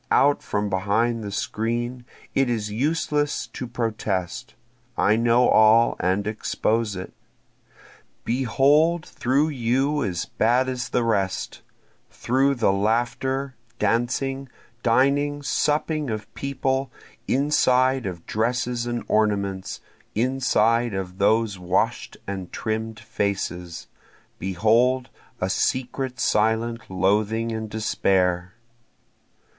out from behind the screen! It is useless to protest, I know all and expose it. Behold through you as bad as the rest, Through the laughter, dancing, dining, supping, of people, Inside of dresses and ornaments, inside of those wash'd and trimm'd faces, Behold a secret silent loathing and despair.